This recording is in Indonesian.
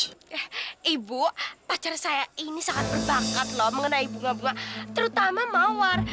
eh ibu pacar saya ini sangat berbakat loh mengenai bunga bunga terutama mawar